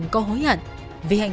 và trẻ diệp